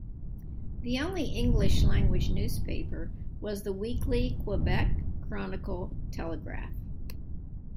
The only English-language newspaper was the weekly "Quebec Chronicle-Telegraph".